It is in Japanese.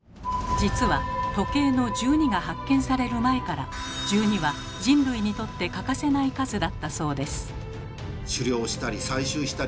実は時計の１２が発見される前から１２は人類にとって欠かせない数だったそうです。